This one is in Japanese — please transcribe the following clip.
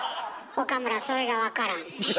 岡村それが分からんねん。